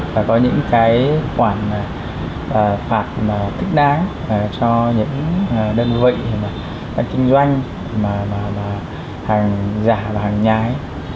và có những cái khoản phạt thích đáng cho những đơn vị các kinh doanh hành giả và hành nhái